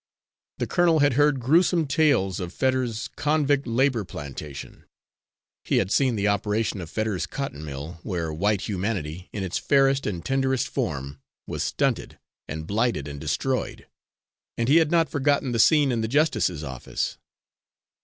The colonel had heard grewsome tales of Fetters's convict labour plantation; he had seen the operation of Fetters's cotton mill, where white humanity, in its fairest and tenderest form, was stunted and blighted and destroyed; and he had not forgotten the scene in the justice's office.